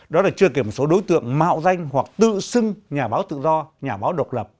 đó là chưa kiểm số đối tượng mạo danh hoặc tự xưng nhà báo tự do nhà báo độc lập